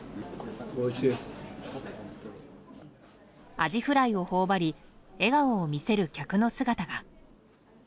アジフライを頬張り笑顔を見せる客の姿が。